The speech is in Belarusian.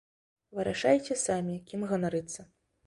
Вырашайце самі, кім ганарыцца.